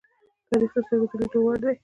تاریخ د سترگو د لیدو وړ دی.